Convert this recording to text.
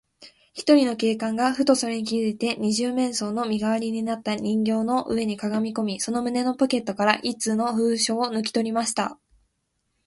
ひとりの警官が、ふとそれに気づいて、二十面相の身がわりになった人形の上にかがみこみ、その胸のポケットから一通の封書をぬきとりました。